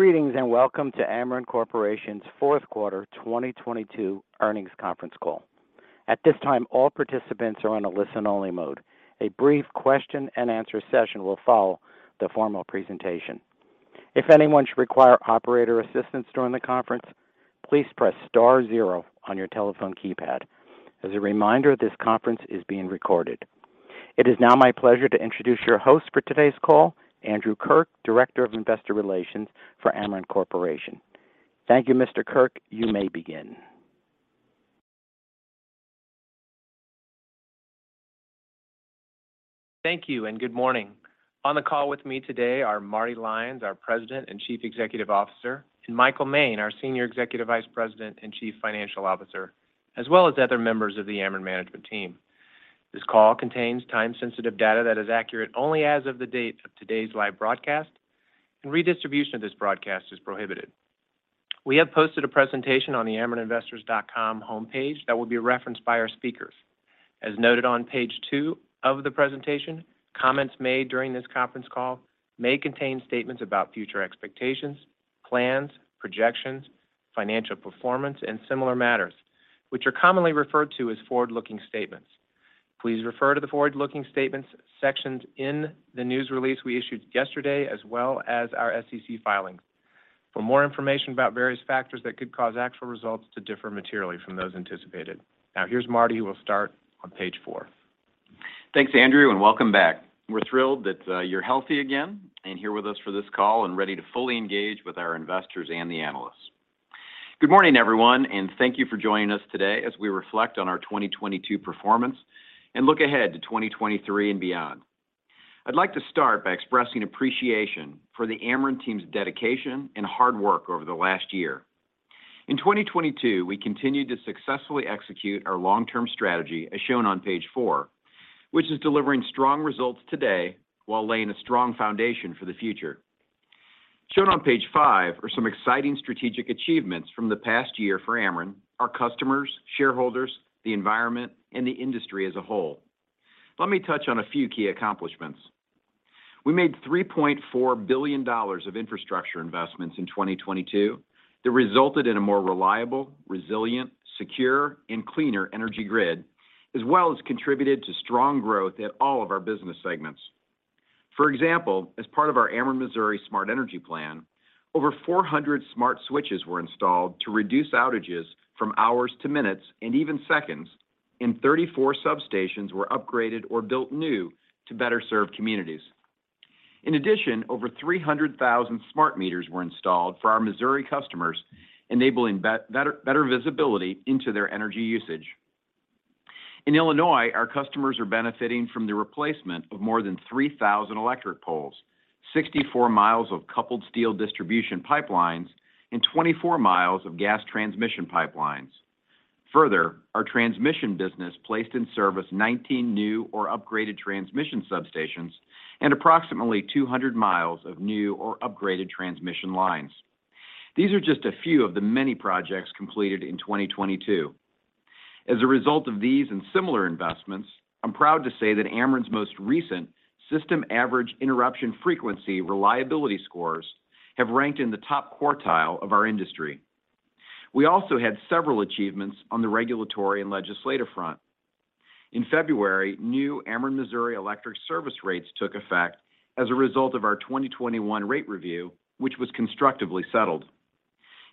Greetings, welcome to Ameren Corporation's Fourth Quarter 2022 Earnings Conference call. At this time, all participants are on a listen-only mode. A brief question and answer session will follow the formal presentation. If anyone should require operator assistance during the conference, please press star zero on your telephone keypad. As a reminder, this conference is being recorded. It is now my pleasure to introduce your host for today's call, Andrew Kirk, Director of Investor Relations for Ameren Corporation. Thank you, Mr. Kirk. You may begin. Thank you, and good morning. On the call with me today are Marty Lyons, our President and Chief Executive Officer, and Michael Moehn, our Senior Executive Vice President and Chief Financial Officer, as well as other members of the Ameren management team. This call contains time-sensitive data that is accurate only as of the date of today's live broadcast, and redistribution of this broadcast is prohibited. We have posted a presentation on the amereninvestors.com homepage that will be referenced by our speakers. As noted on page two of the presentation, comments made during this conference call may contain statements about future expectations, plans, projections, financial performance, and similar matters, which are commonly referred to as forward-looking statements. Please refer to the forward-looking statements sections in the news release we issued yesterday as well as our SEC filings for more information about various factors that could cause actual results to differ materially from those anticipated. Now here's Marty, who will start on page four. Thanks, Andrew. Welcome back. We're thrilled that you're healthy again and here with us for this call and ready to fully engage with our investors and the analysts. Good morning, everyone. Thank you for joining us today as we reflect on our 2022 performance and look ahead to 2023 and beyond. I'd like to start by expressing appreciation for the Ameren team's dedication and hard work over the last year. In 2022, we continued to successfully execute our long-term strategy as shown on page four, which is delivering strong results today while laying a strong foundation for the future. Shown on page five are some exciting strategic achievements from the past year for Ameren, our customers, shareholders, the environment, and the industry as a whole. Let me touch on a few key accomplishments. We made $3.4 billion of infrastructure investments in 2022 that resulted in a more reliable, resilient, secure, and cleaner energy grid, as well as contributed to strong growth at all of our business segments. For example, as part of our Ameren Missouri Smart Energy Plan, over 400 smart switches were installed to reduce outages from hours to minutes and even seconds, and 34 substations were upgraded or built new to better serve communities. In addition, over 300,000 smart meters were installed for our Missouri customers, enabling better visibility into their energy usage. In Illinois, our customers are benefiting from the replacement of more than 3,000 electric poles, 64 mi of coupled steel distribution pipelines, and 24 mi of gas transmission pipelines. Further, our transmission business placed in service 19 new or upgraded transmission substations and approximately 200 mi of new or upgraded transmission lines. These are just a few of the many projects completed in 2022. As a result of these and similar investments, I'm proud to say that Ameren's most recent system average interruption frequency reliability scores have ranked in the top quartile of our industry. We also had several achievements on the regulatory and legislative front. In February, new Ameren Missouri electric service rates took effect as a result of our 2021 rate review, which was constructively settled.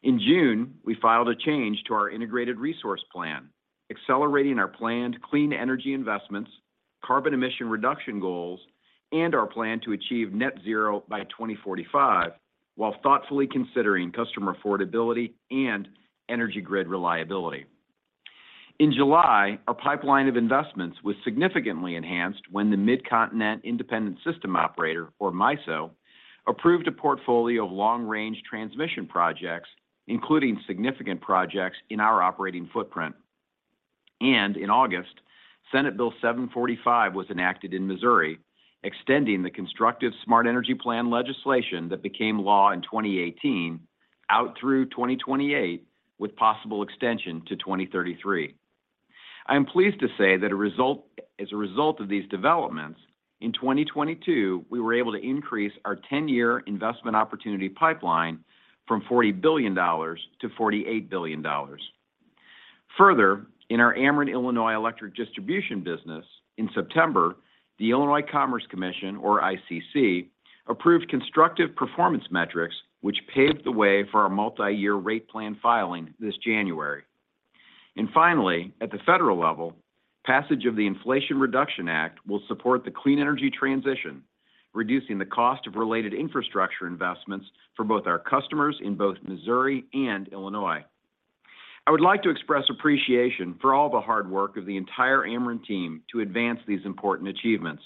In June, we filed a change to our Integrated Resource Plan, accelerating our planned clean energy investments, carbon emission reduction goals, and our plan to achieve net zero by 2045 while thoughtfully considering customer affordability and energy grid reliability. In July, our pipeline of investments was significantly enhanced when the Midcontinent Independent System Operator, or MISO, approved a portfolio of long-range transmission projects, including significant projects in our operating footprint. In August, Senate Bill 745 was enacted in Missouri, extending the constructive Smart Energy Plan legislation that became law in 2018 out through 2028, with possible extension to 2033. I am pleased to say that as a result of these developments, in 2022 we were able to increase our 10-year investment opportunity pipeline from $40 billion to $48 billion. Further, in our Ameren Illinois electric distribution business, in September, the Illinois Commerce Commission, or ICC, approved constructive performance metrics which paved the way for our multi-year rate plan filing this January. Finally, at the federal level, passage of the Inflation Reduction Act will support the clean energy transition, reducing the cost of related infrastructure investments for both our customers in both Missouri and Illinois. I would like to express appreciation for all the hard work of the entire Ameren team to advance these important achievements.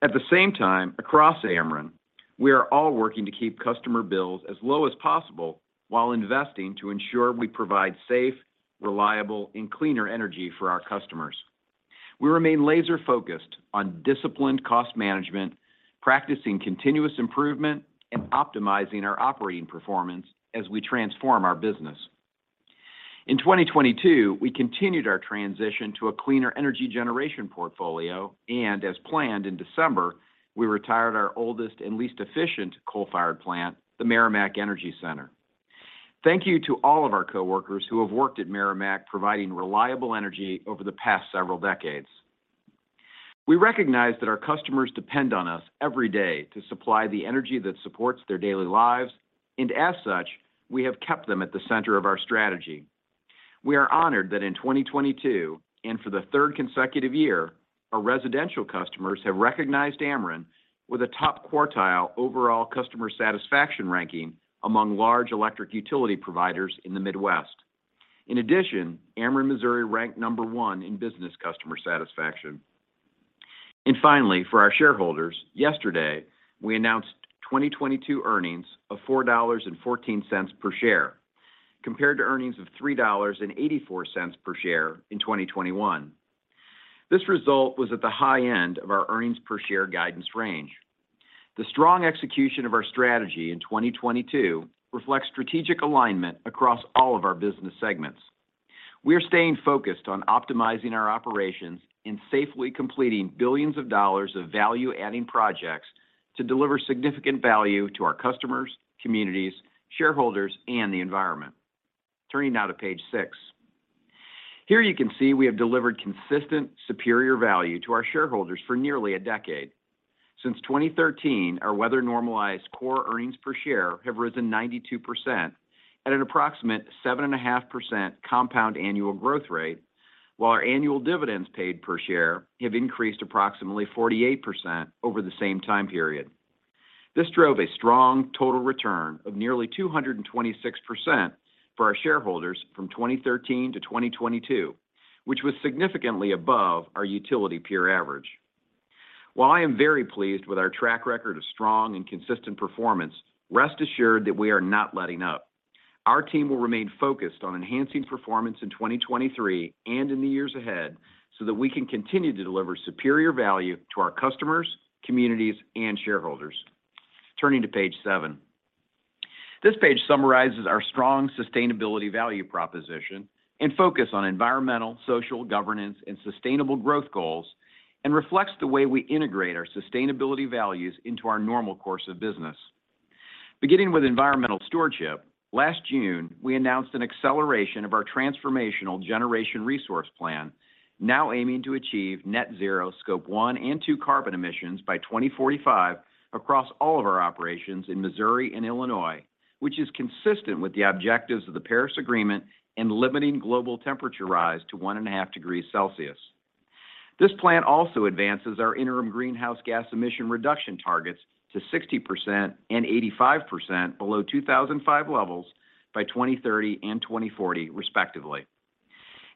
At the same time, across Ameren, we are all working to keep customer bills as low as possible while investing to ensure we provide safe, reliable, and cleaner energy for our customers. We remain laser-focused on disciplined cost management, practicing continuous improvement, and optimizing our operating performance as we transform our business. In 2022, we continued our transition to a cleaner energy generation portfolio, and as planned in December, we retired our oldest and least efficient coal-fired plant, the Meramec Energy Center. Thank you to all of our coworkers who have worked at Meramec providing reliable energy over the past several decades. We recognize that our customers depend on us every day to supply the energy that supports their daily lives, as such, we have kept them at the center of our strategy. We are honored that in 2022, for the third consecutive year, our residential customers have recognized Ameren with a top-quartile overall customer satisfaction ranking among large electric utility providers in the Midwest. In addition, Ameren Missouri ranked number one in business customer satisfaction. Finally, for our shareholders, yesterday, we announced 2022 earnings of $4.14 per share compared to earnings of $3.84 per share in 2021. This result was at the high end of our earnings per share guidance range. The strong execution of our strategy in 2022 reflects strategic alignment across all of our business segments. We are staying focused on optimizing our operations and safely completing billions of dollars of value-adding projects to deliver significant value to our customers, communities, shareholders, and the environment. Turning now to page six. Here you can see we have delivered consistent superior value to our shareholders for nearly a decade. Since 2013, our weather-normalized core EPS have risen 92% at an approximate 7.5% CAGR, while our annual dividends paid per share have increased approximately 48% over the same time period. This drove a strong total return of nearly 226% for our shareholders from 2013 to 2022, which was significantly above our utility peer average. While I am very pleased with our track record of strong and consistent performance, rest assured that we are not letting up. Our team will remain focused on enhancing performance in 2023 and in the years ahead so that we can continue to deliver superior value to our customers, communities, and shareholders. Turning to page seven. This page summarizes our strong sustainability value proposition and focus on environmental, social, governance, and sustainable growth goals and reflects the way we integrate our sustainability values into our normal course of business. Beginning with environmental stewardship, last June, we announced an acceleration of our transformational generation resource plan, now aiming to achieve net zero Scope 1 and 2 carbon emissions by 2045 across all of our operations in Missouri and Illinois, which is consistent with the objectives of the Paris Agreement in limiting global temperature rise to 1.5 degrees Celsius. This plan also advances our interim greenhouse gas emission reduction targets to 60% and 85% below 2005 levels by 2030 and 2040, respectively.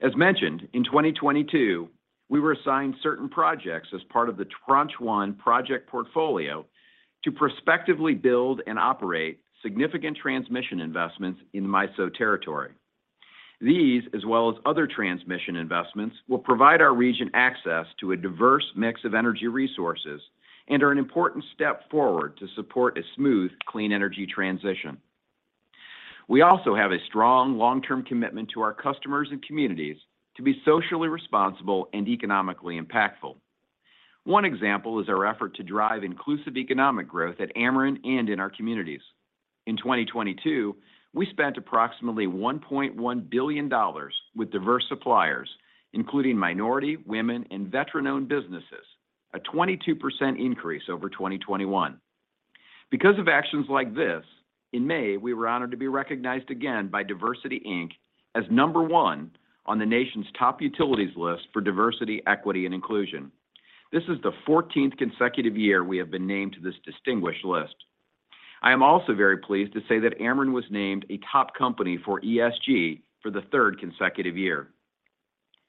As mentioned, in 2022, we were assigned certain projects as part of the Tranche 1 project portfolio to prospectively build and operate significant transmission investments in MISO territory. These, as well as other transmission investments, will provide our region access to a diverse mix of energy resources and are an important step forward to support a smooth, clean energy transition. We also have a strong long-term commitment to our customers and communities to be socially responsible and economically impactful. One example is our effort to drive inclusive economic growth at Ameren and in our communities. In 2022, we spent approximately $1.1 billion with diverse suppliers, including minority, women, and veteran-owned businesses, a 22% increase over 2021. Because of actions like this, in May, we were honored to be recognized again by DiversityInc as number one on the nation's top utilities list for diversity, equity, and inclusion. This is the 14th consecutive year we have been named to this distinguished list. I am also very pleased to say that Ameren was named a top company for ESG for the third consecutive year.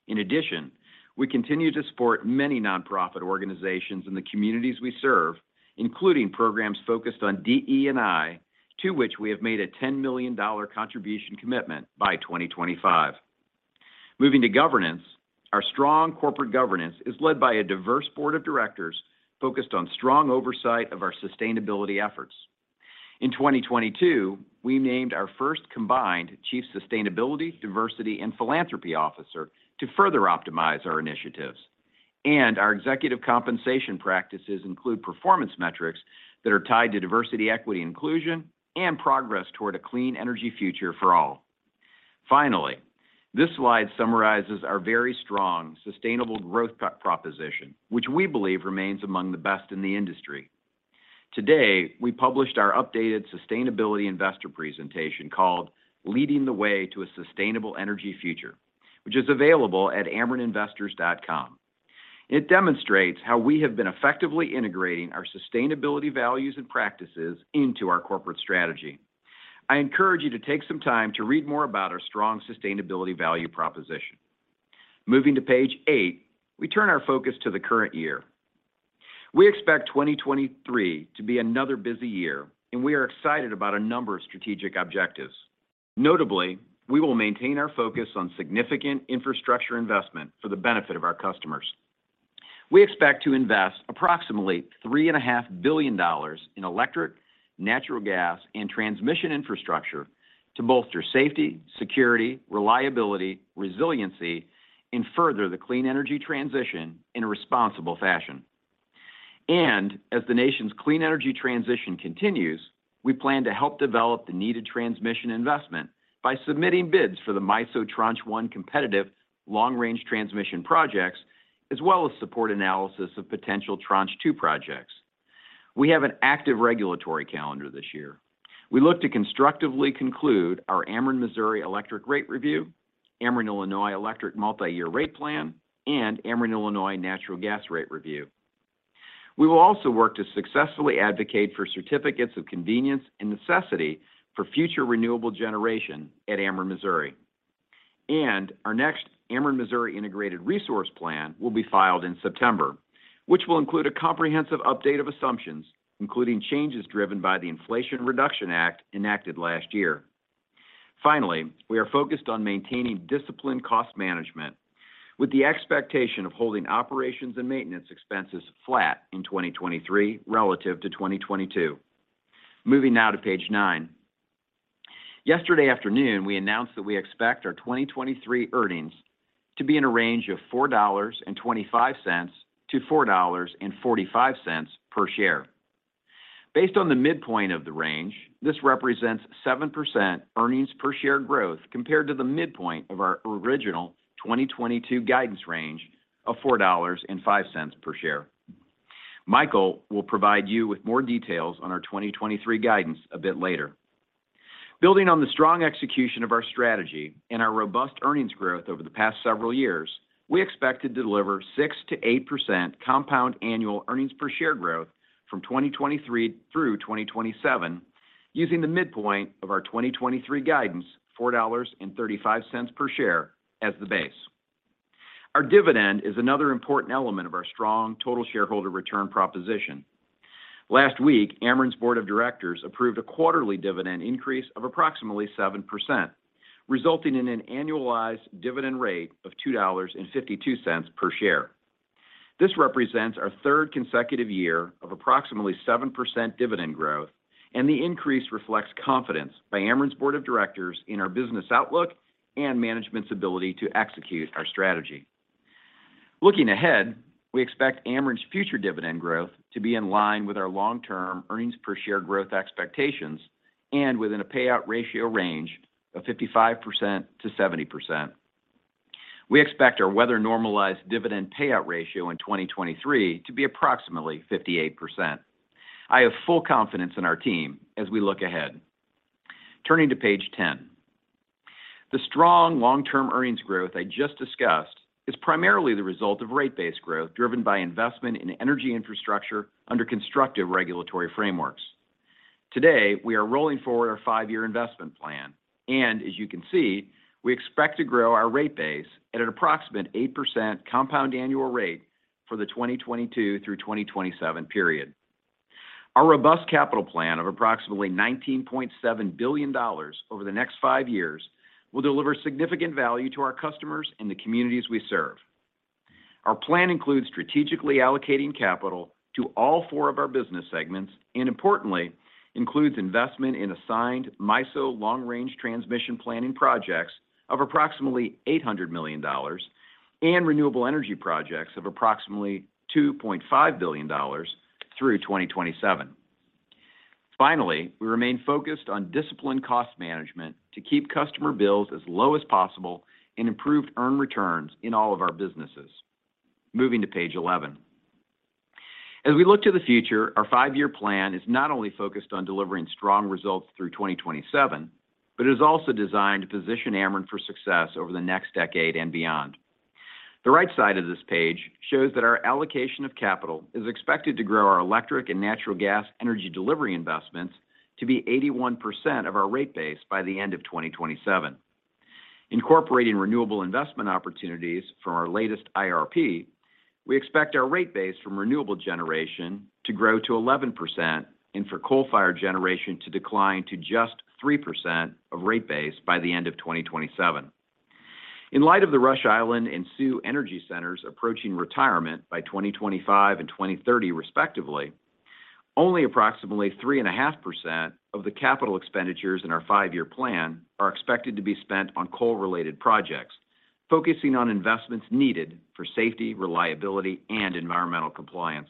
In addition, we continue to support many nonprofit organizations in the communities we serve, including programs focused on DE&I, to which we have made a $10 million contribution commitment by 2025. Moving to governance. Our strong corporate governance is led by a diverse board of directors focused on strong oversight of our sustainability efforts. In 2022, we named our first combined chief sustainability, diversity, and philanthropy officer to further optimize our initiatives. Our executive compensation practices include performance metrics that are tied to diversity, equity, inclusion, and progress toward a clean energy future for all. Finally, this slide summarizes our very strong sustainable growth proposition, which we believe remains among the best in the industry. Today, we published our updated sustainability investor presentation called Leading the Way to a Sustainable Energy Future, which is available at amereninvestors.com. It demonstrates how we have been effectively integrating our sustainability values and practices into our corporate strategy. I encourage you to take some time to read more about our strong sustainability value proposition. Moving to page eight, we turn our focus to the current year. We expect 2023 to be another busy year, and we are excited about a number of strategic objectives. Notably, we will maintain our focus on significant infrastructure investment for the benefit of our customers. We expect to invest approximately three and a half billion dollars in electric, natural gas, and transmission infrastructure to bolster safety, security, reliability, resiliency, and further the clean energy transition in a responsible fashion. As the nation's clean energy transition continues, we plan to help develop the needed transmission investment by submitting bids for the MISO Tranche 1 competitive long-range transmission projects, as well as support analysis of potential Tranche 2 projects. We have an active regulatory calendar this year. We look to constructively conclude our Ameren Missouri electric rate review, Ameren Illinois electric multi-year rate plan, and Ameren Illinois natural gas rate review. We will also work to successfully advocate for Certificates of Convenience and Necessity for future renewable generation at Ameren Missouri. Our next Ameren Missouri Integrated Resource Plan will be filed in September, which will include a comprehensive update of assumptions, including changes driven by the Inflation Reduction Act enacted last year. Finally, we are focused on maintaining disciplined cost management with the expectation of holding operations and maintenance expenses flat in 2023 relative to 2022. Moving now to page nine. Yesterday afternoon, we announced that we expect our 2023 earnings to be in a range of $4.25-$4.45 per share. Based on the midpoint of the range, this represents 7% earnings per share growth compared to the midpoint of our original 2022 guidance range of $4.05 per share. Michael will provide you with more details on our 2023 guidance a bit later. Building on the strong execution of our strategy and our robust earnings growth over the past several years, we expect to deliver 6%-8% compound annual earnings per share growth from 2023 through 2027 using the midpoint of our 2023 guidance, $4.35 per share, as the base. Our dividend is another important element of our strong total shareholder return proposition. Last week, Ameren's board of directors approved a quarterly dividend increase of approximately 7%, resulting in an annualized dividend rate of $2.52 per share. This represents our third consecutive year of approximately 7% dividend growth, and the increase reflects confidence by Ameren's board of directors in our business outlook and management's ability to execute our strategy. Looking ahead, we expect Ameren's future dividend growth to be in line with our long-term earnings per share growth expectations and within a payout ratio range of 55%-70%. We expect our weather-normalized dividend payout ratio in 2023 to be approximately 58%. I have full confidence in our team as we look ahead. Turning to page 10. The strong long-term earnings growth I just discussed is primarily the result of rate base growth driven by investment in energy infrastructure under constructive regulatory frameworks. Today, we are rolling forward our five-year investment plan, and as you can see, we expect to grow our rate base at an approximate 8% compound annual rate for the 2022 through 2027 period. Our robust capital plan of approximately $19.7 billion over the next five years will deliver significant value to our customers and the communities we serve. Our plan includes strategically allocating capital to all four of our business segments, and importantly, includes investment in assigned MISO long-range transmission planning projects of approximately $800 million and renewable energy projects of approximately $2.5 billion through 2027. We remain focused on disciplined cost management to keep customer bills as low as possible and improve earned returns in all of our businesses. Moving to page 11. We look to the future, our 5-year plan is not only focused on delivering strong results through 2027, but is also designed to position Ameren for success over the next decade and beyond. The right side of this page shows that our allocation of capital is expected to grow our electric and natural gas energy delivery investments to be 81% of our rate base by the end of 2027. Incorporating renewable investment opportunities from our latest IRP, we expect our rate base from renewable generation to grow to 11% and for coal-fired generation to decline to just 3% of rate base by the end of 2027. In light of the Rush Island and Sioux Energy Centers approaching retirement by 2025 and 2030 respectively, only approximately 3.5% of the capital expenditures in our 5-year plan are expected to be spent on coal-related projects, focusing on investments needed for safety, reliability, and environmental compliance.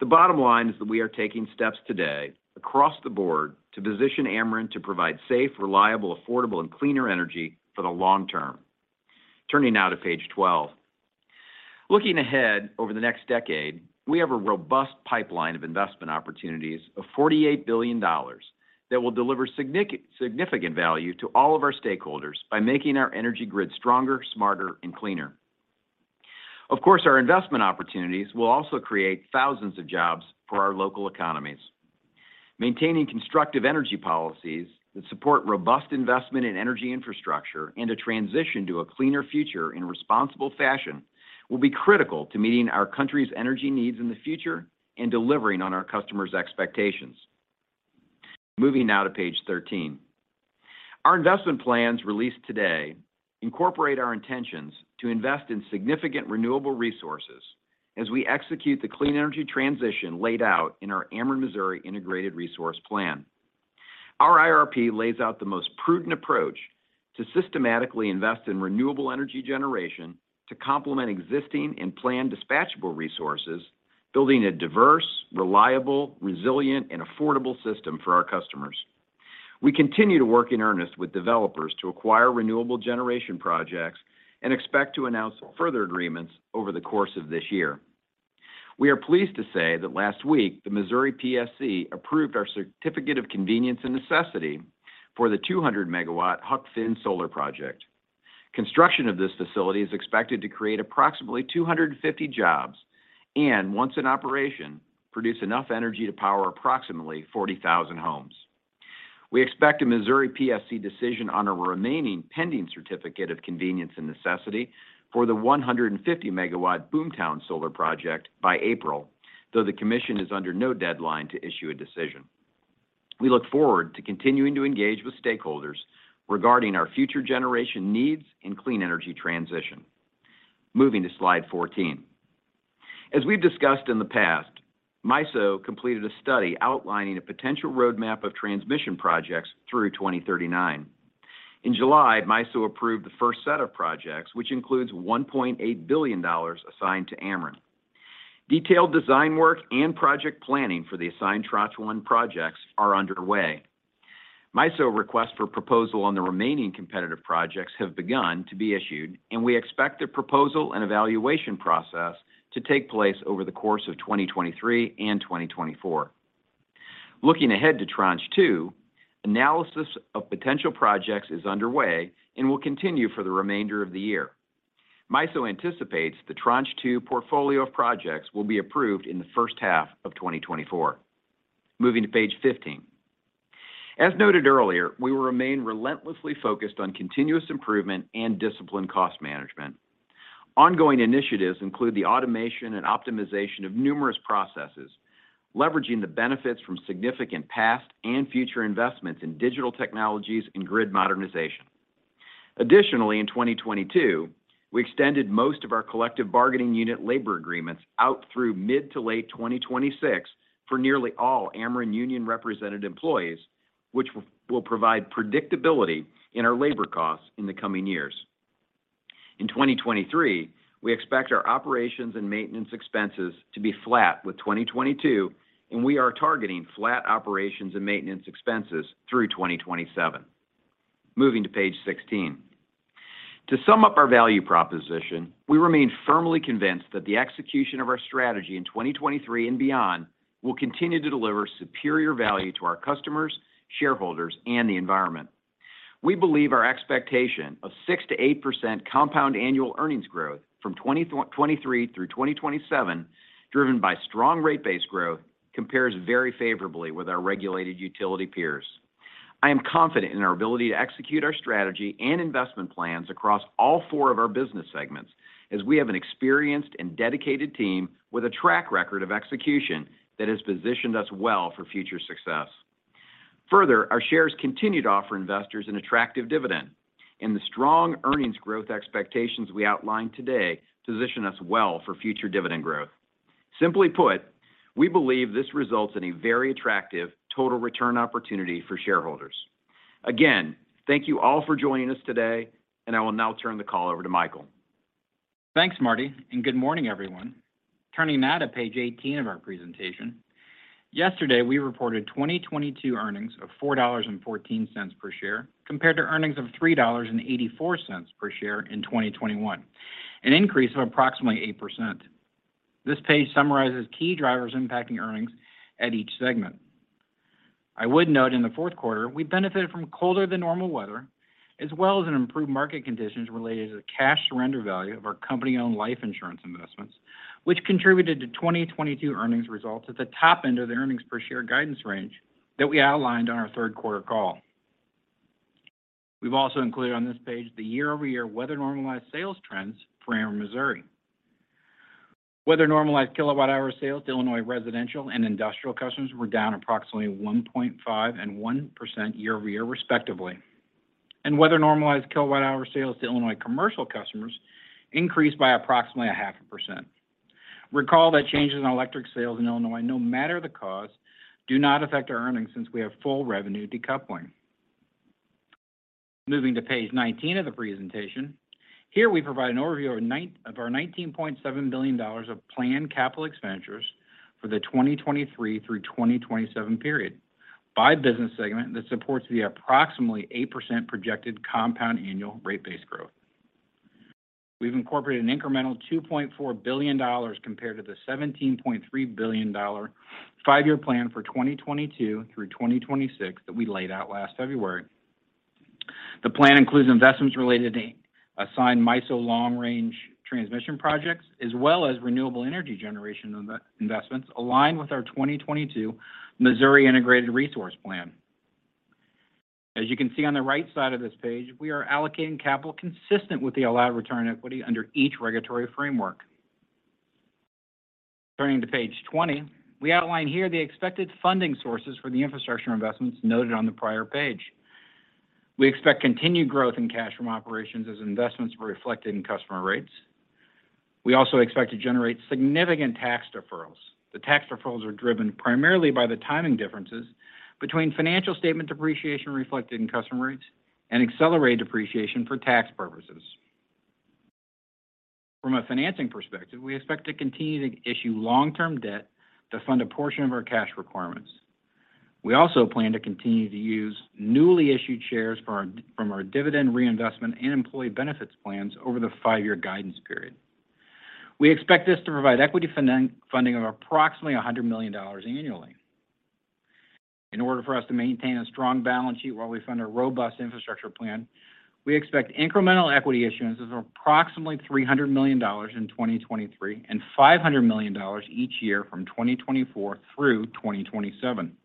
The bottom line is that we are taking steps today across the board to position Ameren to provide safe, reliable, affordable, and cleaner energy for the long term. Turning now to page 12. Looking ahead over the next decade, we have a robust pipeline of investment opportunities of $48 billion that will deliver significant value to all of our stakeholders by making our energy grid stronger, smarter, and cleaner. Of course, our investment opportunities will also create thousands of jobs for our local economies. Maintaining constructive energy policies that support robust investment in energy infrastructure and a transition to a cleaner future in a responsible fashion will be critical to meeting our country's energy needs in the future and delivering on our customers' expectations. Moving now to page 13. Our investment plans released today incorporate our intentions to invest in significant renewable resources as we execute the clean energy transition laid out in our Ameren Missouri Integrated Resource Plan. Our IRP lays out the most prudent approach to systematically invest in renewable energy generation to complement existing and planned dispatchable resources, building a diverse, reliable, resilient and affordable system for our customers. We continue to work in earnest with developers to acquire renewable generation projects and expect to announce further agreements over the course of this year. We are pleased to say that last week, the Missouri PSC approved our Certificate of Convenience and Necessity for the 200 MW Huck Finn Solar Project. Construction of this facility is expected to create approximately 250 jobs and, once in operation, produce enough energy to power approximately 40,000 homes. We expect a Missouri PSC decision on a remaining pending Certificate of Convenience and Necessity for the 150 MW Boomtown Solar Project by April, though the commission is under no deadline to issue a decision. We look forward to continuing to engage with stakeholders regarding our future generation needs in clean energy transition. Moving to slide 14. As we've discussed in the past, MISO completed a study outlining a potential roadmap of transmission projects through 2039. In July, MISO approved the first set of projects, which includes $1.8 billion assigned to Ameren. Detailed design work and project planning for the assigned Tranche One projects are underway. MISO request for proposal on the remaining competitive projects have begun to be issued, and we expect the proposal and evaluation process to take place over the course of 2023 and 2024. Looking ahead to Tranche Two, analysis of potential projects is underway and will continue for the remainder of the year. MISO anticipates the Tranche Two portfolio of projects will be approved in the first half of 2024. Moving to page 15. As noted earlier, we will remain relentlessly focused on continuous improvement and disciplined cost management. Ongoing initiatives include the automation and optimization of numerous processes, leveraging the benefits from significant past and future investments in digital technologies and grid modernization. Additionally, in 2022, we extended most of our collective bargaining unit labor agreements out through mid to late 2026 for nearly all Ameren union-represented employees, which will provide predictability in our labor costs in the coming years. In 2023, we expect our operations and maintenance expenses to be flat with 2022. We are targeting flat operations and maintenance expenses through 2027. Moving to page 16. To sum up our value proposition, we remain firmly convinced that the execution of our strategy in 2023 and beyond will continue to deliver superior value to our customers, shareholders, and the environment. We believe our expectation of 6%-8% compound annual earnings growth from 2023 through 2027 driven by strong rate-based growth compares very favorably with our regulated utility peers. I am confident in our ability to execute our strategy and investment plans across all four of our business segments as we have an experienced and dedicated team with a track record of execution that has positioned us well for future success. Further, our shares continue to offer investors an attractive dividend, and the strong earnings growth expectations we outlined today position us well for future dividend growth. Simply put, we believe this results in a very attractive total return opportunity for shareholders. Again, thank you all for joining us today, and I will now turn the call over to Michael. Thanks, Marty. Good morning, everyone. Turning now to page 18 of our presentation. Yesterday, we reported 2022 earnings of $4.14 per share compared to earnings of $3.84 per share in 2021, an increase of approximately 8%. This page summarizes key drivers impacting earnings at each segment. I would note in the fourth quarter, we benefited from colder than normal weather, as well as an improved market conditions related to the cash surrender value of our company-owned life insurance investments, which contributed to 2022 earnings results at the top end of the earnings per share guidance range that we outlined on our third quarter call. We've also included on this page the year-over-year weather normalized sales trends for Ameren Missouri. Weather normalized kWh sales to Illinois residential and industrial customers were down approximately 1.5% and 1% year-over-year, respectively. Weather normalized kWh sales to Illinois commercial customers increased by approximately a half a percent. Recall that changes in electric sales in Illinois, no matter the cause, do not affect our earnings since we have full revenue decoupling. Moving to page 19 of the presentation. Here we provide an overview of our $19.7 billion of planned capital expenditures for the 2023 through 2027 period by business segment that supports the approximately 8% projected compound annual rate base growth. We've incorporated an incremental $2.4 billion compared to the $17.3 billion five-year plan for 2022 through 2026 that we laid out last February. The plan includes investments related to assigned MISO Long-Range Transmission projects, as well as renewable energy generation investments aligned with our 2022 Missouri Integrated Resource Plan. As you can see on the right side of this page, we are allocating capital consistent with the allowed return on equity under each regulatory framework. Turning to page 20. We outline here the expected funding sources for the infrastructure investments noted on the prior page. We expect continued growth in cash from operations as investments were reflected in customer rates. We also expect to generate significant tax deferrals. The tax deferrals are driven primarily by the timing differences between financial statement depreciation reflected in customer rates and accelerated depreciation for tax purposes. From a financing perspective, we expect to continue to issue long-term debt to fund a portion of our cash requirements. We also plan to continue to use newly issued shares from our dividend reinvestment and employee benefits plans over the five-year guidance period. We expect this to provide equity funding of approximately $100 million annually. In order for us to maintain a strong balance sheet while we fund a robust infrastructure plan, we expect incremental equity issuance of approximately $300 million in 2023 and $500 million each year from 2024 through 2027.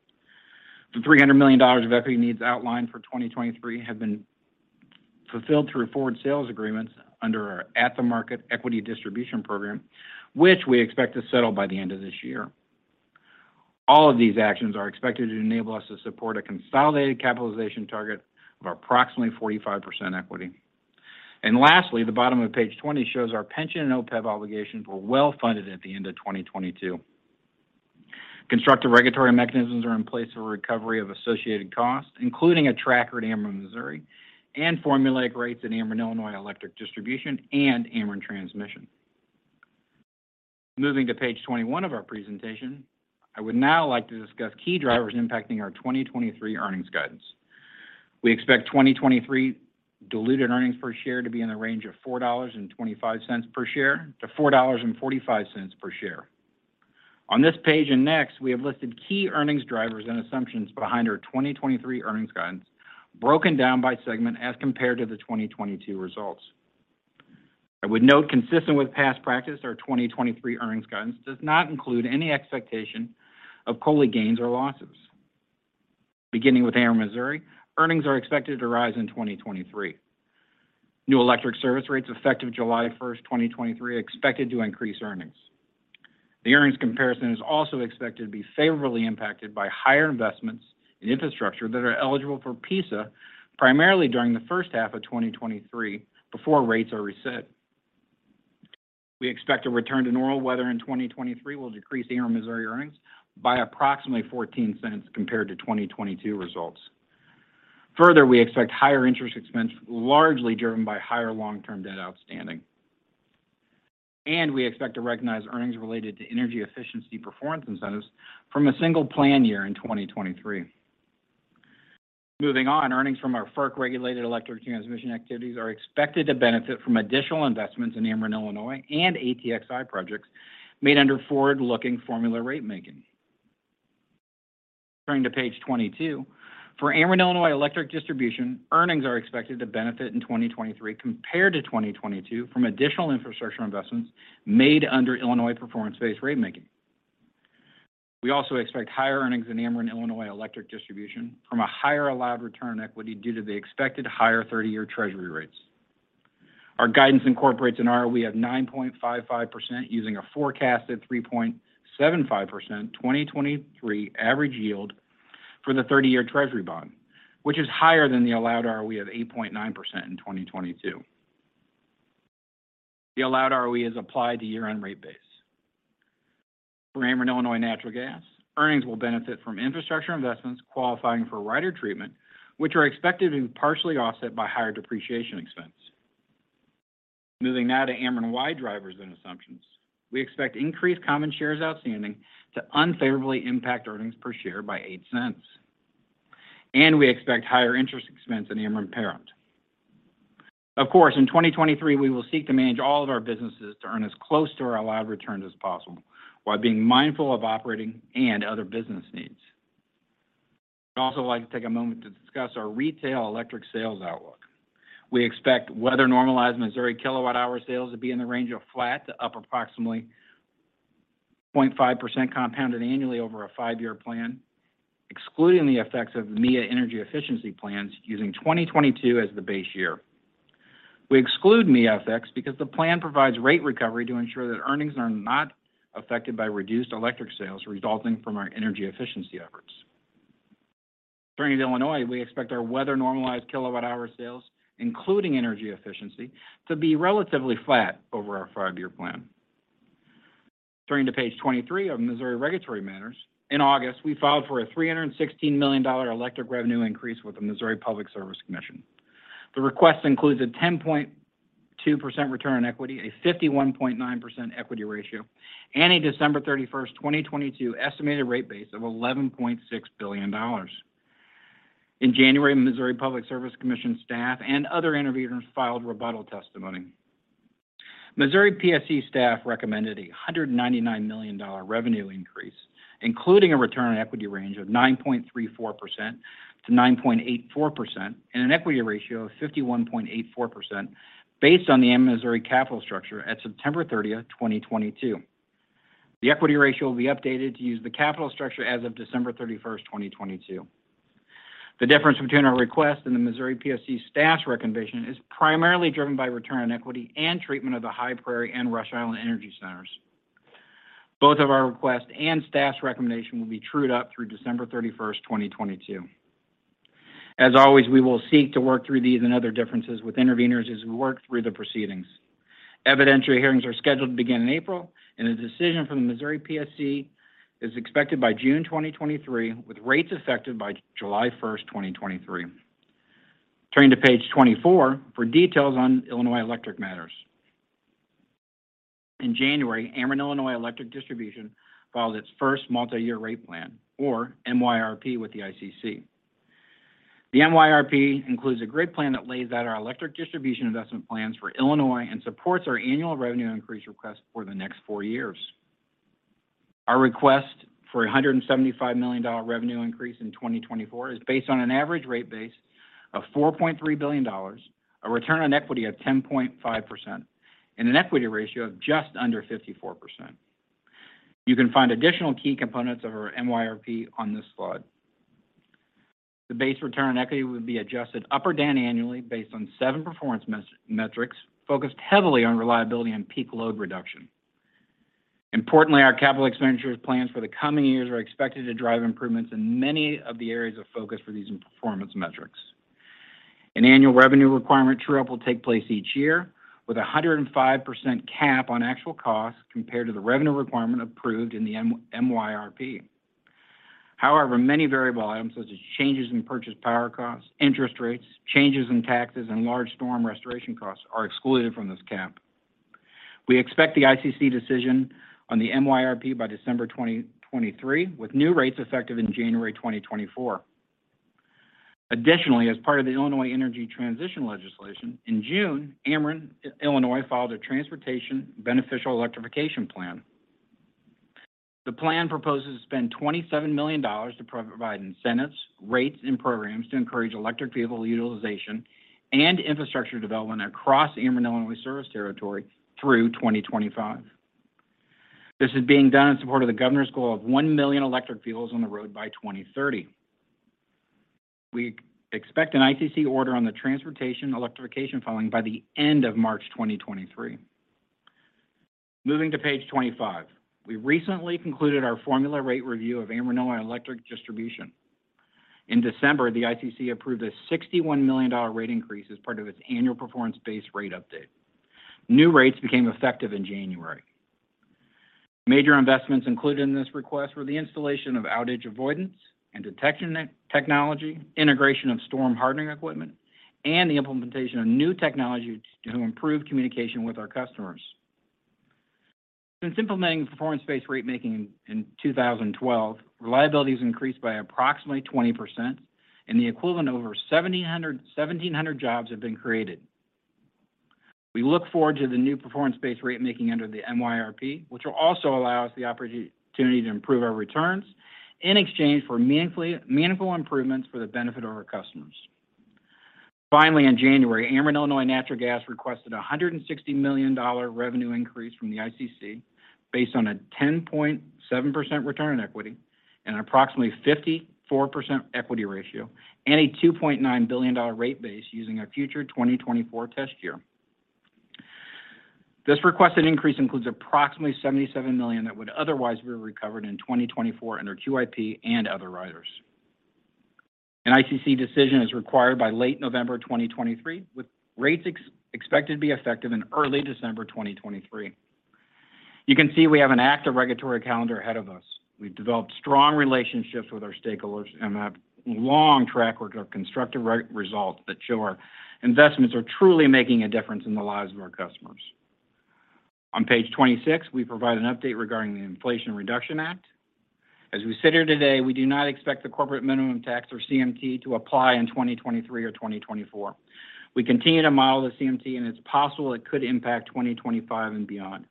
The $300 million of equity needs outlined for 2023 have been fulfilled through forward sales agreements under our at-the-market equity distribution program, which we expect to settle by the end of this year. All of these actions are expected to enable us to support a consolidated capitalization target of approximately 45% equity. Lastly, the bottom of page 20 shows our pension and OPEB obligations were well-funded at the end of 2022. Constructive regulatory mechanisms are in place for recovery of associated costs, including a tracker at Ameren Missouri and formulaic rates at Ameren Illinois Electric Distribution and Ameren Transmission. Moving to page 21 of our presentation. I would now like to discuss key drivers impacting our 2023 earnings guidance. We expect 2023 diluted earnings per share to be in the range of $4.25-$4.45 per share. On this page and next, we have listed key earnings drivers and assumptions behind our 2023 earnings guidance broken down by segment as compared to the 2022 results. I would note, consistent with past practice, our 2023 earnings guidance does not include any expectation of COLI gains or losses. Beginning with Ameren Missouri, earnings are expected to rise in 2023. New electric service rates effective July 1, 2023 are expected to increase earnings. The earnings comparison is also expected to be favorably impacted by higher investments in infrastructure that are eligible for PISA, primarily during the first half of 2023 before rates are reset. We expect a return to normal weather in 2023 will decrease Ameren Missouri earnings by approximately $0.14 compared to 2022 results. We expect higher interest expense, largely driven by higher long-term debt outstanding. We expect to recognize earnings related to energy efficiency performance incentives from a single plan year in 2023. Moving on, earnings from our FERC-regulated electric transmission activities are expected to benefit from additional investments in Ameren Illinois and ATXI projects made under forward-looking formula ratemaking. Turning to page 22. For Ameren Illinois Electric Distribution, earnings are expected to benefit in 2023 compared to 2022 from additional infrastructure investments made under Illinois performance-based ratemaking. We also expect higher earnings in Ameren Illinois Electric Distribution from a higher allowed return on equity due to the expected higher 30-year Treasury rates. Our guidance incorporates an ROE of 9.55% using a forecasted 3.75% 2023 average yield for the 30-year Treasury bond, which is higher than the allowed ROE of 8.9% in 2022. The allowed ROE is applied to year-end rate base. For Ameren Illinois Natural Gas, earnings will benefit from infrastructure investments qualifying for rider treatment, which are expected to be partially offset by higher depreciation expense. Moving now to Ameren-wide drivers and assumptions. We expect increased common shares outstanding to unfavorably impact earnings per share by $0.08, and we expect higher interest expense in Ameren parent. Of course, in 2023, we will seek to manage all of our businesses to earn as close to our allowed returns as possible while being mindful of operating and other business needs. I'd also like to take a moment to discuss our retail electric sales outlook. We expect weather-normalized Missouri kWh sales to be in the range of flat to up approximately 0.5% compounded annually over a five-year plan, excluding the effects of MEEIA energy efficiency plans using 2022 as the base year. We exclude MEEIA effects because the plan provides rate recovery to ensure that earnings are not affected by reduced electric sales resulting from our energy efficiency efforts. Turning to Illinois, we expect our weather-normalized kWh sales, including energy efficiency, to be relatively flat over our five-year plan. Turning to page 23 of Missouri regulatory matters. In August, we filed for a $316 million electric revenue increase with the Missouri Public Service Commission. The request includes a 10.2% return on equity, a 51.9% equity ratio, and a December 31, 2022 estimated rate base of $11.6 billion. In January, Missouri Public Service Commission staff and other interveners filed rebuttal testimony. Missouri PSC staff recommended a $199 million revenue increase, including a return on equity range of 9.34%-9.84% and an equity ratio of 51.84% based on the Ameren Missouri capital structure at September 30, 2022. The equity ratio will be updated to use the capital structure as of December 31, 2022. The difference between our request and the Missouri PSC staff's recommendation is primarily driven by return on equity and treatment of the High Prairie and Rush Island Energy Centers. Both of our request and staff's recommendation will be trued up through December 31, 2022. As always, we will seek to work through these and other differences with interveners as we work through the proceedings. Evidentiary hearings are scheduled to begin in April. A decision from the Missouri PSC is expected by June 2023, with rates affected by July 1st, 2023. Turning to page 24 for details on Illinois Electric matters. In January, Ameren Illinois Electric Distribution filed its first multi-year rate plan, or MYRP, with the ICC. The MYRP includes a grid plan that lays out our electric distribution investment plans for Illinois and supports our annual revenue increase request for the next 4 years. Our request for a $175 million revenue increase in 2024 is based on an average rate base of $4.3 billion, a return on equity of 10.5%, and an equity ratio of just under 54%. You can find additional key components of our MYRP on this slide. The base return on equity would be adjusted up or down annually based on 7 performance metrics focused heavily on reliability and peak load reduction. Importantly, our capital expenditures plans for the coming years are expected to drive improvements in many of the areas of focus for these performance metrics. An annual revenue requirement true-up will take place each year with a 105% cap on actual costs compared to the revenue requirement approved in the MYRP. However, many variable items such as changes in purchase power costs, interest rates, changes in taxes, and large storm restoration costs are excluded from this cap. We expect the ICC decision on the MYRP by December 2023, with new rates effective in January 2024. Additionally, as part of the Illinois Energy Transition legislation, in June, Ameren Illinois filed a transportation beneficial electrification plan. The plan proposes to spend $27 million to provide incentives, rates, and programs to encourage electric vehicle utilization and infrastructure development across Ameren Illinois service territory through 2025. This is being done in support of the governor's goal of 1 million electric vehicles on the road by 2030. We expect an ICC order on the transportation electrification filing by the end of March 2023. Moving to page 25. We recently concluded our formula rate review of Ameren Illinois Electric Distribution. In December, the ICC approved a $61 million rate increase as part of its annual performance-based rate update. New rates became effective in January. Major investments included in this request were the installation of outage avoidance and detection technology, integration of storm hardening equipment, and the implementation of new technology to improve communication with our customers. Since implementing performance-based rate making in 2012, reliability has increased by approximately 20%, and the equivalent of over 1,700 jobs have been created. We look forward to the new performance-based rate making under the MYRP, which will also allow us the opportunity to improve our returns in exchange for meaningful improvements for the benefit of our customers. In January, Ameren Illinois Natural Gas requested a $160 million revenue increase from the ICC based on a 10.7% return on equity and approximately 54% equity ratio and a $2.9 billion rate base using our future 2024 test year. This requested increase includes approximately $77 million that would otherwise be recovered in 2024 under QIP and other riders. An ICC decision is required by late November 2023, with rates expected to be effective in early December 2023. You can see we have an active regulatory calendar ahead of us. We've developed strong relationships with our stakeholders and have long track record of constructive results that show our investments are truly making a difference in the lives of our customers. On page 26, we provide an update regarding the Inflation Reduction Act. As we sit here today, we do not expect the corporate minimum tax, or CMT, to apply in 2023 or 2024. We continue to model the CMT, and it's possible it could impact 2025 and beyond.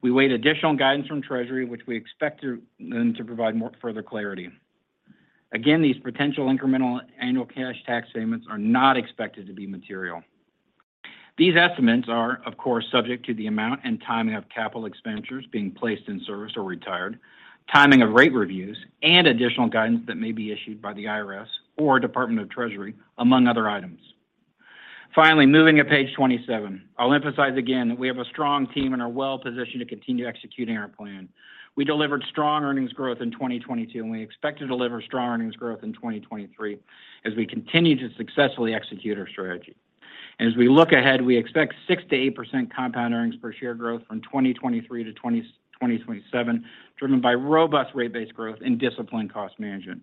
We await additional guidance from Treasury, which we expect them to provide more further clarity. Again, these potential incremental annual cash tax payments are not expected to be material. These estimates are, of course, subject to the amount and timing of capital expenditures being placed in service or retired, timing of rate reviews, and additional guidance that may be issued by the IRS or Department of the Treasury, among other items. Finally, moving to page 27. I'll emphasize again that we have a strong team and are well-positioned to continue executing our plan. We delivered strong earnings growth in 2022, and we expect to deliver strong earnings growth in 2023 as we continue to successfully execute our strategy. As we look ahead, we expect 6%-8% compound earnings per share growth from 2023 to 2027, driven by robust rate base growth and disciplined cost management.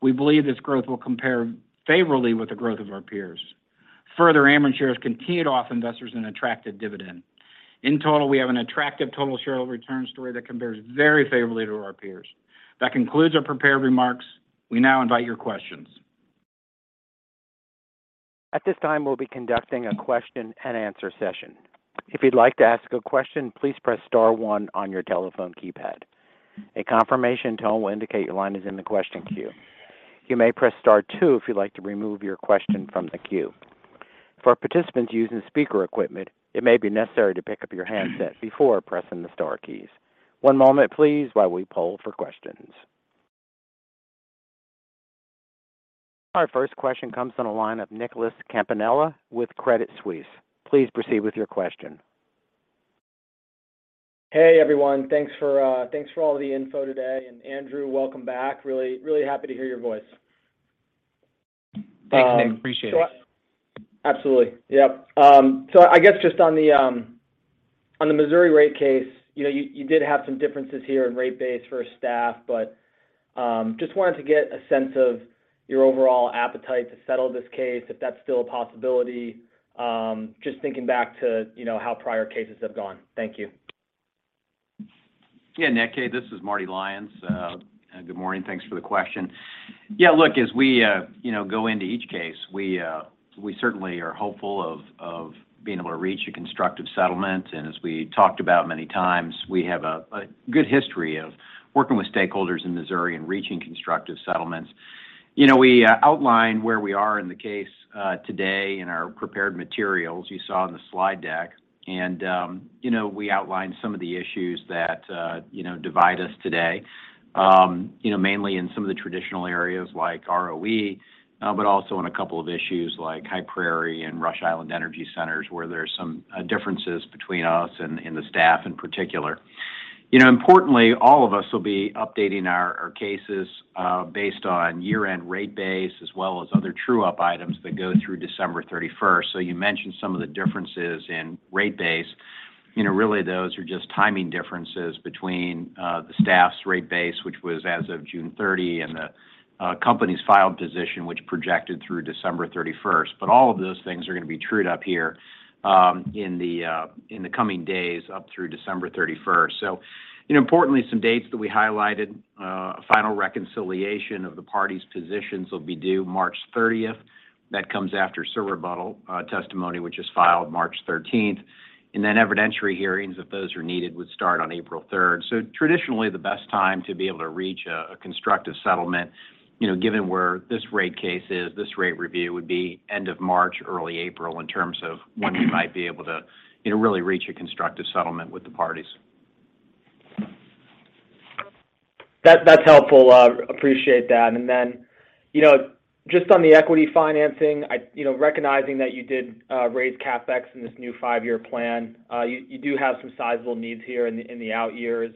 We believe this growth will compare favorably with the growth of our peers. Ameren shares continued to offer investors an attractive dividend. In total, we have an attractive total shareholder return story that compares very favorably to our peers. That concludes our prepared remarks. We now invite your questions. At this time, we'll be conducting a question-and-answer session. If you'd like to ask a question, please press star one on your telephone keypad. A confirmation tone will indicate your line is in the question queue. You may press star two if you'd like to remove your question from the queue. For participants using speaker equipment, it may be necessary to pick up your handset before pressing the star keys. One moment please while we poll for questions. Our first question comes on the line of Nicholas Campanella with Credit Suisse. Please proceed with your question. Hey everyone. Thanks for all the info today. Andrew, welcome back. Really happy to hear your voice. Thanks, Nick. Appreciate it. Absolutely. Yep. I guess just on the Missouri rate case, you know, you did have some differences here in rate base for staff, just wanted to get a sense of your overall appetite to settle this case, if that's still a possibility. Just thinking back to, you know, how prior cases have gone. Thank you. Yeah, Nick. Hey, this is Marty Lyons. Good morning. Thanks for the question. Yeah, look, as we, you know, go into each case, we certainly are hopeful of being able to reach a constructive settlement. As we talked about many times, we have a good history of working with stakeholders in Missouri and reaching constructive settlements. You know, we outlined where we are in the case today in our prepared materials you saw in the slide deck. You know, we outlined some of the issues that, you know, divide us today. You know, mainly in some of the traditional areas like ROE, but also in a couple of issues like High Prairie and Rush Island Energy Centers, where there are some differences between us and the staff in particular. You know, importantly, all of us will be updating our cases based on year-end rate base as well as other true-up items that go through December 31st. You mentioned some of the differences in rate base. You know, really those are just timing differences between the staff's rate base, which was as of June 30, and the company's filed position, which projected through December 31st. All of those things are going to be trued up here in the coming days up through December 31st. You know, importantly, some dates that we highlighted, final reconciliation of the parties' positions will be due March 30th. That comes after surrebuttal testimony, which is filed March 13th. Evidentiary hearings, if those are needed, would start on April 3rd. Traditionally the best time to be able to reach a constructive settlement, you know, given where this rate case is, this rate review would be end of March, early April in terms of when we might be able to, you know, really reach a constructive settlement with the parties. That's helpful. Appreciate that. You know, just on the equity financing, you know, recognizing that you did raise CapEx in this new five-year plan, you do have some sizable needs here in the out years.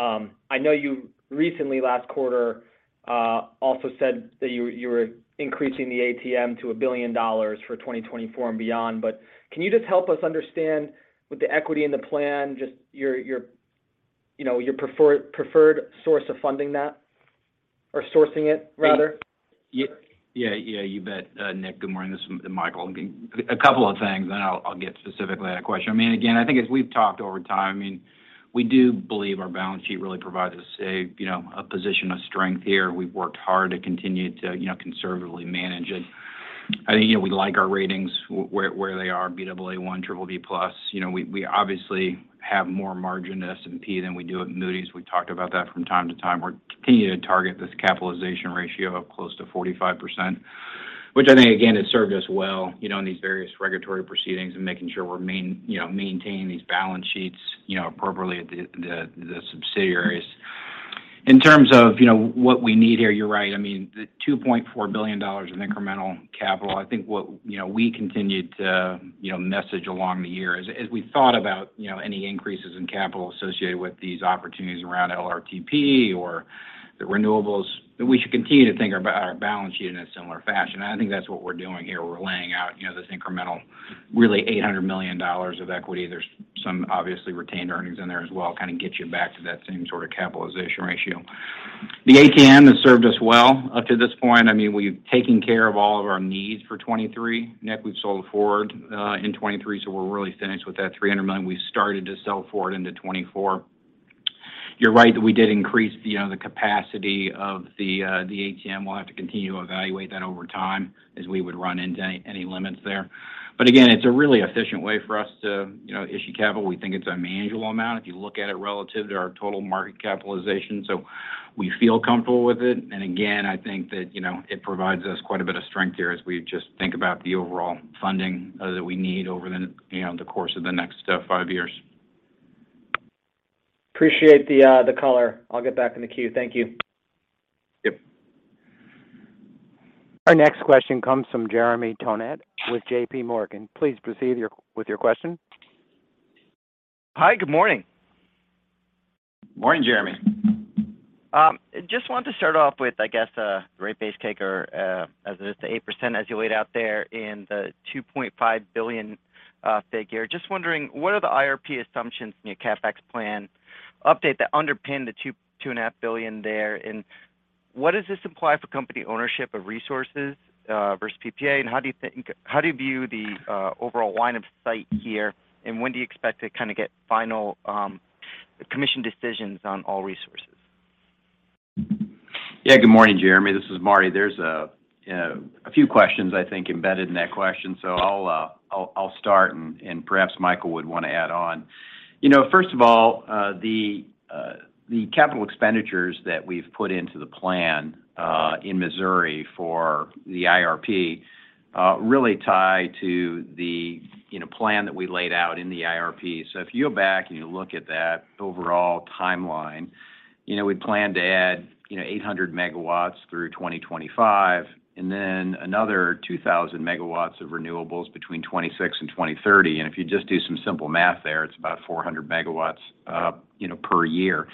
I know you recently last quarter also said that you were increasing the ATM to $1 billion for 2024 and beyond. Can you just help us understand with the equity in the plan, just your, you know, your preferred source of funding that? Or sourcing it rather? Yeah. Yeah. You bet. Nick, good morning. This is Michael. A couple of things, then I'll get specifically to that question. I mean, again, I think as we've talked over time, I mean, we do believe our balance sheet really provides us a, you know, a position of strength here. We've worked hard to continue to, you know, conservatively manage it. I think, you know, we like our ratings where they are, Baa1, BBB+. You know, we obviously have more margin to S&P than we do at Moody's. We talked about that from time to time. We're continuing to target this capitalization ratio of close to 45%, which I think again, has served us well, you know, in these various regulatory proceedings and making sure we're, you know, maintaining these balance sheets, you know, appropriately at the subsidiaries. In terms of, you know, what we need here, you're right. I mean, the $2.4 billion in incremental capital, I think what, you know, we continue to, you know, message along the years as we thought about, you know, any increases in capital associated with these opportunities around LRTP or the renewables, that we should continue to think our balance sheet in a similar fashion. I think that's what we're doing here. We're laying out, you know, this incremental really $800 million of equity. There's some obviously retained earnings in there as well, kind of gets you back to that same sort of capitalization ratio. The ATM has served us well up to this point. I mean, we've taken care of all of our needs for 2023. Nick, we've sold forward in 2023. We're really finished with that $300 million. We started to sell forward into 2024. You're right that we did increase, you know, the capacity of the ATM. We'll have to continue to evaluate that over time as we would run into any limits there. Again, it's a really efficient way for us to, you know, issue capital. We think it's a manageable amount if you look at it relative to our total market capitalization. We feel comfortable with it. Again, I think that, you know, it provides us quite a bit of strength here as we just think about the overall funding that we need over the, you know, the course of the next five years. Appreciate the color. I'll get back in the queue. Thank you. Yep. Our next question comes from Jeremy Tonet with J.P. Morgan. Please proceed with your question. Hi. Good morning. Morning, Jeremy. Just wanted to start off with rate base taker, as it is to 8% as you laid out there in the $2.5 billion figure. Just wondering, what are the IRP assumptions in your CapEx plan update that underpin the $2 billion-$2.5 billion there? What does this imply for company ownership of resources versus PPA, and how do you view the overall line of sight here, and when do you expect to kind of get final Commission decisions on all resources? Good morning, Jeremy. This is Marty. There's a few questions I think embedded in that question. I'll start and perhaps Michael would want to add on. You know, first of all, the capital expenditures that we've put into the plan in Missouri for the IRP really tie to the, you know, plan that we laid out in the IRP. If you go back and you look at that overall timeline, you know, we plan to add, you know, 800 MW through 2025, and then another 2,000 MW of renewables between 2026 and 2030. If you just do some simple math there, it's about 400 MW, you know, per year.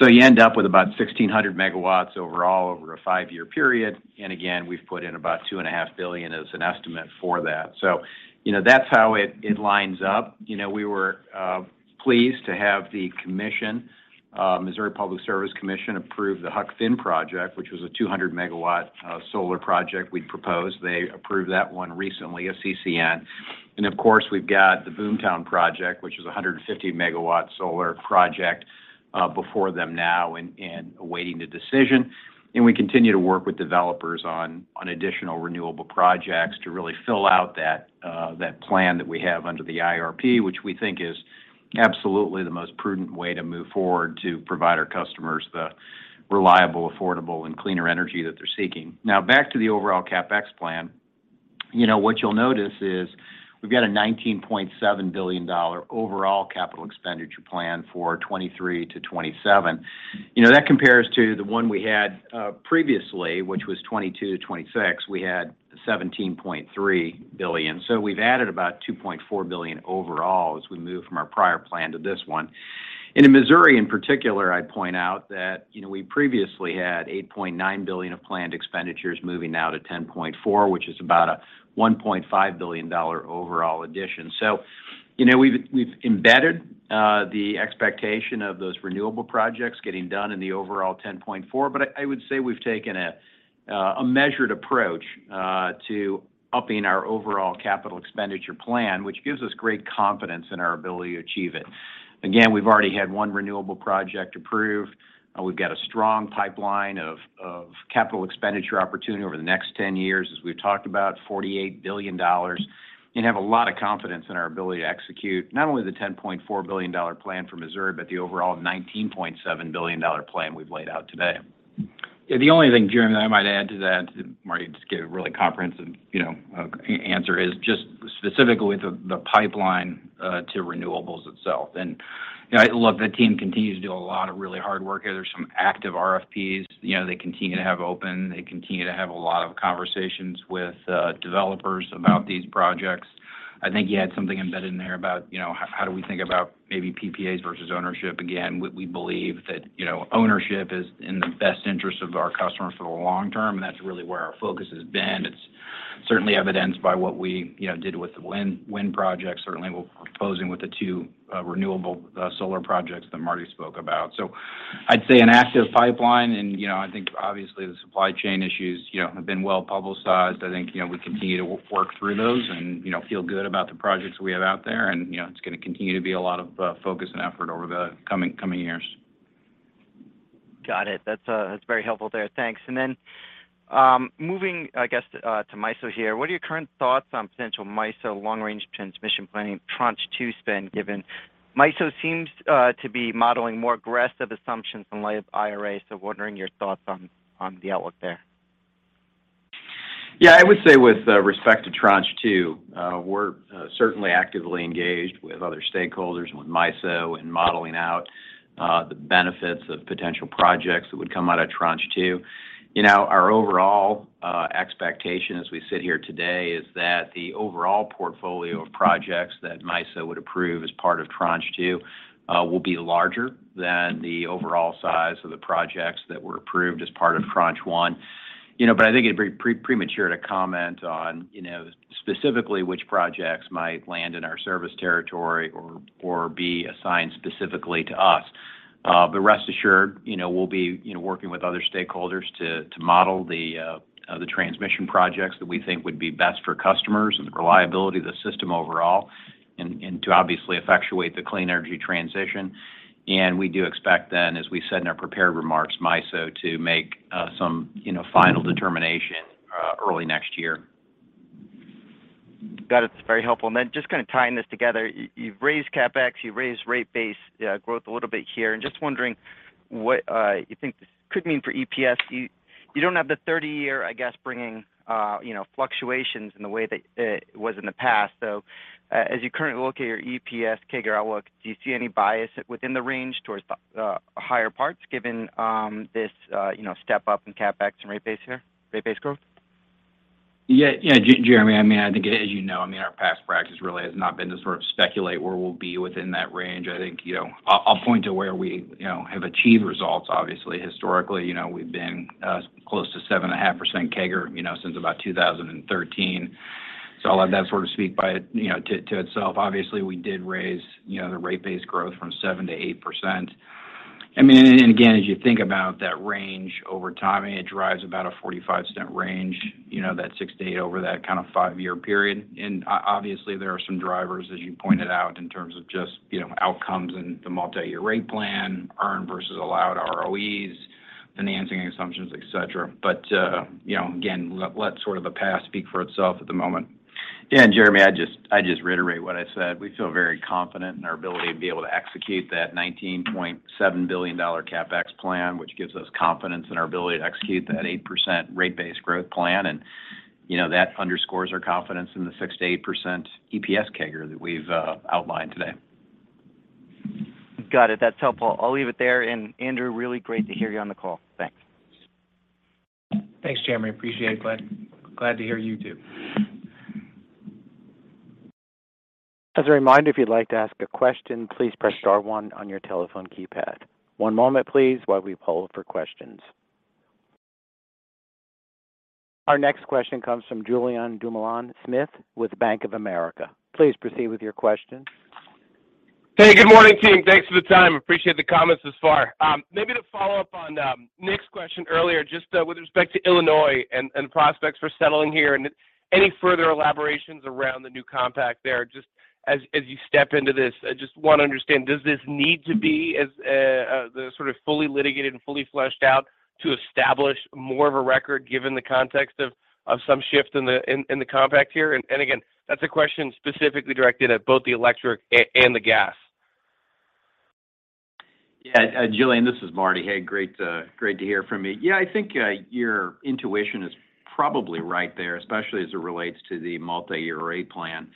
You end up with about 1,600 MW overall over a five-year period. Again, we've put in about two and a half billion as an estimate for that. You know, that's how it lines up. We were pleased to have the Missouri Public Service Commission approve the Huck Finn project, which was a 200 MW solar project we'd proposed. They approved that one recently, a CCN. Of course, we've got the Boomtown project, which is a 150 MW solar project before them now and awaiting the decision. We continue to work with developers on additional renewable projects to really fill out that plan that we have under the IRP, which we think is absolutely the most prudent way to move forward to provide our customers the reliable, affordable, and cleaner energy that they're seeking. Back to the overall CapEx plan. You know, what you'll notice is we've got a $19.7 billion overall capital expenditure plan for 2023-2027. You know, that compares to the one we had previously, which was 2022-2026. We had $17.3 billion. We've added about $2.4 billion overall as we move from our prior plan to this one. In Missouri, in particular, I'd point out that, you know, we previously had $8.9 billion of planned expenditures moving now to $10.4 billion, which is about a $1.5 billion overall addition. You know, we've embedded the expectation of those renewable projects getting done in the overall $10.4 billion. I would say we've taken a measured approach to upping our overall capital expenditure plan, which gives us great confidence in our ability to achieve it. Again, we've already had 1 renewable project approved. We've got a strong pipeline of capital expenditure opportunity over the next 10 years, as we've talked about, $48 billion, and have a lot of confidence in our ability to execute not only the $10.4 billion plan for Ameren Missouri, but the overall $19.7 billion plan we've laid out today. Yeah. The only thing, Jeremy Tonet, that I might add to that, Marty. just gave a really comprehensive, you know, answer, is just specifically the pipeline to renewables itself. You know, look, the team continues to do a lot of really hard work here. There's some active RFPs, you know, they continue to have open. They continue to have a lot of conversations with developers about these projects. I think you had something embedded in there about, you know, how do we think about maybe PPAs versus ownership. Again, we believe that, you know, ownership is in the best interest of our customers for the long term, and that's really where our focus has been. It's certainly evidenced by what we, you know, did with the wind project, certainly we're proposing with the 2 renewable solar projects that Marty spoke about. I'd say an active pipeline and, you know, I think obviously the supply chain issues, you know, have been well-publicized. I think, you know, we continue to work through those and, you know, feel good about the projects we have out there and, you know, it's going to continue to be a lot of focus and effort over the coming years. Got it. That's very helpful there. Thanks. Moving, I guess, to MISO here, what are your current thoughts on potential MISO Long-Range Transmission Planning Tranche 2 spend, given MISO seems to be modeling more aggressive assumptions in light of IRA? Wondering your thoughts on the outlook there. Yeah, I would say with respect to Tranche 2, we're certainly actively engaged with other stakeholders, with MISO in modeling out the benefits of potential projects that would come out of Tranche 2. You know, our overall expectation as we sit here today is that the overall portfolio of projects that MISO would approve as part of Tranche 2 will be larger than the overall size of the projects that were approved as part of Tranche 1. You know, I think it'd be premature to comment on, you know, specifically which projects might land in our service territory or be assigned specifically to us. But rest assured, you know, we'll be, you know, working with other stakeholders to model the transmission projects that we think would be best for customers and the reliability of the system overall and to obviously effectuate the clean energy transition. We do expect then, as we said in our prepared remarks, MISO to make some, you know, final determination early next year. Got it. That's very helpful. Just kind of tying this together, you've raised CapEx, you've raised rate base growth a little bit here, and just wondering what you think this could mean for EPS. You, you don't have the 30-year, I guess, bringing, you know, fluctuations in the way that was in the past. As you currently look at your EPS CAGR outlook, do you see any bias within the range towards the higher parts given this, you know, step up in CapEx and rate base here, rate base growth? Yeah. Jeremy, I mean, I think as you know, I mean, our past practice really has not been to sort of speculate where we'll be within that range. I think, you know, I'll point to where we, you know, have achieved results, obviously. Historically, you know, we've been close to 7.5% CAGR, you know, since about 2013. I'll have that sort of speak to itself. Obviously, we did raise, you know, the rate base growth from 7%-8%. I mean, and again, as you think about that range over time, I mean, it drives about a $0.45 range, you know, that 6-8 over that kind of five-year period. Obviously, there are some drivers, as you pointed out, in terms of just, you know, outcomes and the multi-year rate plan, earn versus allowed ROEs, financing assumptions, et cetera. You know, again, let sort of the past speak for itself at the moment. Yeah, Jeremy, I just reiterate what I said. We feel very confident in our ability to be able to execute that $19.7 billion CapEx plan, which gives us confidence in our ability to execute that 8% rate base growth plan. You know, that underscores our confidence in the 6%-8% EPS CAGR that we've outlined today. Got it. That's helpful. I'll leave it there. Andrew, really great to hear you on the call. Thanks. Thanks, Jeremy. Appreciate it. Glad to hear you too. As a reminder, if you'd like to ask a question, please press star 1 on your telephone keypad. One moment, please, while we poll for questions. Our next question comes from Julien Dumoulin-Smith with Bank of America. Please proceed with your question. Hey, good morning, team. Thanks for the time. Appreciate the comments thus far. Maybe to follow up on Nick's question earlier, just with respect to Illinois and prospects for settling here and any further elaborations around the new compact there. Just as you step into this, I just wanna understand, does this need to be the sort of fully litigated and fully fleshed out to establish more of a record given the context of some shift in the compact here? again, that's a question specifically directed at both the electric and the gas. Yeah. Julien, this is Marty. Hey, great to hear from you. Yeah. I think your intuition is probably right there, especially as it relates to the multi-year rate plan.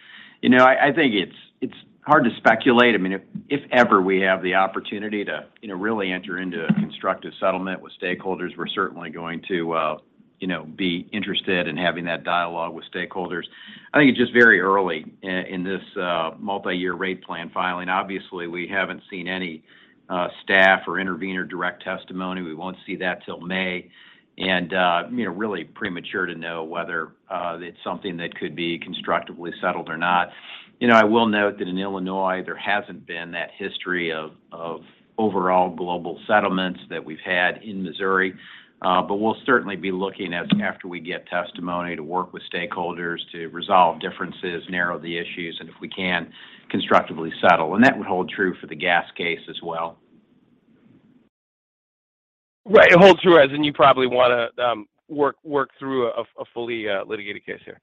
You know, I think it's hard to speculate. I mean, if ever we have the opportunity to, you know, really enter into a constructive settlement with stakeholders, we're certainly going to, you know, be interested in having that dialogue with stakeholders. I think it's just very early in this multi-year rate plan filing. Obviously, we haven't seen any staff or intervener direct testimony. We won't see that till May. Really premature to know whether it's something that could be constructively settled or not. You know, I will note that in Illinois, there hasn't been that history of overall global settlements that we've had in Missouri. We'll certainly be looking at after we get testimony to work with stakeholders to resolve differences, narrow the issues, and if we can, constructively settle. That would hold true for the gas case as well. Right. Hold true as in you probably wanna work through a fully litigated case here.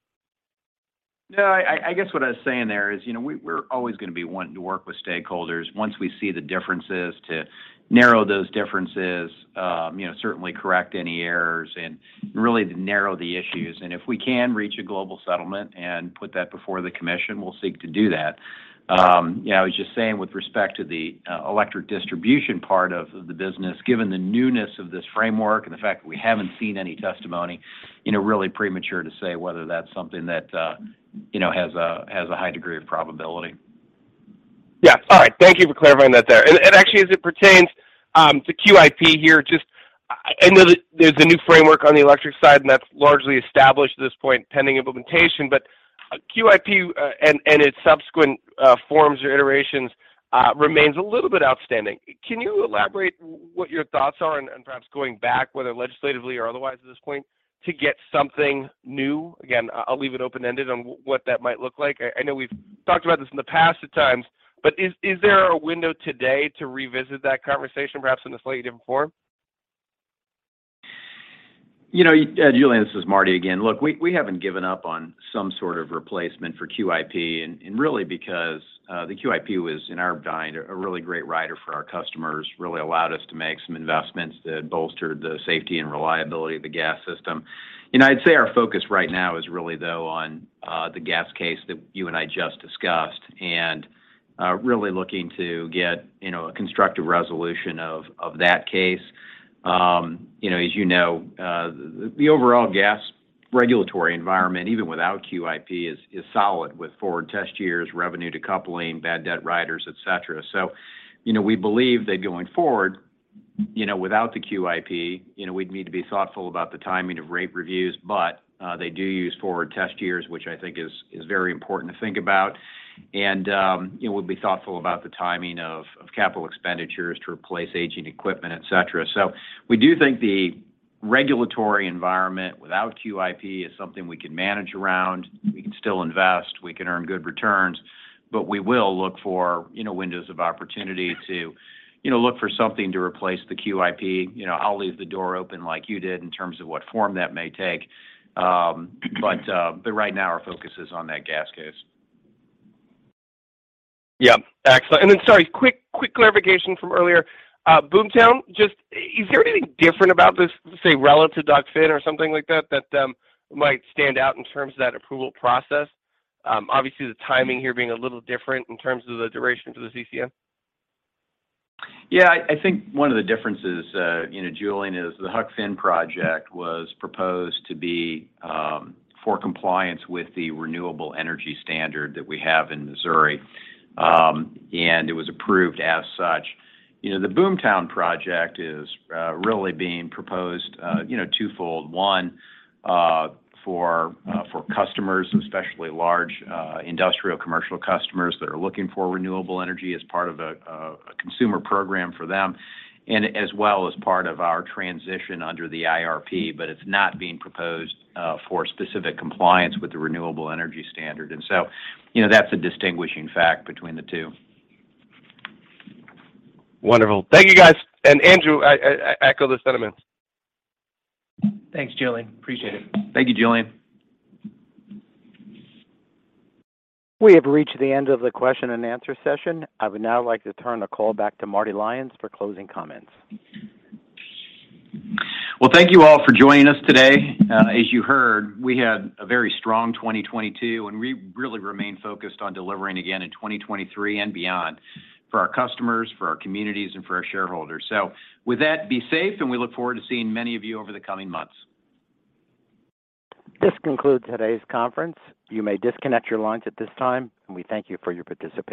No, I guess what I was saying there is, you know, we're always gonna be wanting to work with stakeholders once we see the differences, to narrow those differences, you know, certainly correct any errors and really to narrow the issues. If we can reach a global settlement and put that before the commission, we'll seek to do that. You know, I was just saying with respect to the electric distribution part of the business, given the newness of this framework and the fact that we haven't seen any testimony, you know, really premature to say whether that's something that, you know, has a high degree of probability. Yeah. All right. Thank you for clarifying that there. Actually as it pertains to QIP here, just I know there's a new framework on the electric side, and that's largely established at this point pending implementation. QIP, and its subsequent forms or iterations, remains a little bit outstanding. Can you elaborate what your thoughts are and perhaps going back, whether legislatively or otherwise at this point, to get something new? Again, I'll leave it open-ended on what that might look like. I know we've talked about this in the past at times, but is there a window today to revisit that conversation perhaps in a slightly different form? You know, Julien, this is Marty again. Look, we haven't given up on some sort of replacement for QIP and really because the QIP was, in our mind, a really great rider for our customers. Really allowed us to make some investments that bolstered the safety and reliability of the gas system. You know, I'd say our focus right now is really though on the gas case that you and I just discussed and really looking to get, you know, a constructive resolution of that case. You know, as you know, the overall gas regulatory environment, even without QIP, is solid with forward test years, revenue decoupling, bad debt riders, etcetera. You know, we believe that going forward, you know, without the QIP, you know, we'd need to be thoughtful about the timing of rate reviews, but they do use forward test years, which I think is very important to think about. You know, we'll be thoughtful about the timing of capital expenditures to replace aging equipment, et cetera. We do think the regulatory environment without QIP is something we can manage around. We can still invest, we can earn good returns, but we will look for, you know, windows of opportunity to, you know, look for something to replace the QIP. You know, I'll leave the door open like you did in terms of what form that may take. Right now our focus is on that gas case. Yeah. Excellent. Sorry, quick clarification from earlier. Boomtown, just is there anything different about this, say, relative Huck Finn or something like that might stand out in terms of that approval process? Obviously the timing here being a little different in terms of the duration to the CCN. Yeah. I think one of the differences, you know, Julian, is the Huck Finn project was proposed to be for compliance with the renewable energy standard that we have in Missouri. It was approved as such. You know, the Boomtown project is really being proposed, you know, twofold. One for for customers, especially large industrial commercial customers that are looking for renewable energy as part of a consumer program for them and as well as part of our transition under the IRP, but it's not being proposed for specific compliance with the renewable energy standard. So, you know, that's a distinguishing fact between the two. Wonderful. Thank you, guys. Andrew, I echo the sentiments. Thanks, Julien. Appreciate it. Thank you, Julian. We have reached the end of the question and answer session. I would now like to turn the call back to Marty Lyons for closing comments. Well, thank you all for joining us today. As you heard, we had a very strong 2022, we really remain focused on delivering again in 2023 and beyond for our customers, for our communities, and for our shareholders. With that, be safe, and we look forward to seeing many of you over the coming months. This concludes today's conference. You may disconnect your lines at this time. We thank you for your participation.